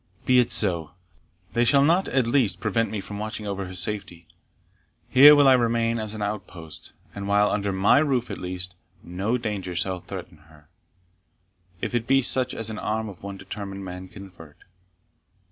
Be it so; they shall not at least prevent me from watching over her safety. Here will I remain as an outpost, and, while under my roof at least, no danger shall threaten her, if it be such as the arm of one determined man can avert."